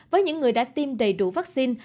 với những người đã tiêm đầy đủ vaccine